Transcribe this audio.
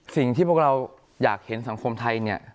สิ่งที่พวกเราอยากเห็นสังคมไทยเนี่ย